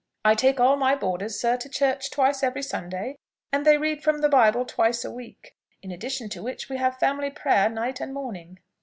"I take all my boarders, sir, to church twice every Sunday; and they read from the Bible twice a week. In addition to which, we have family prayer night and morning."